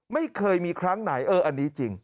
ไม่เคยมีครั้งไหนเอออันนี้จริง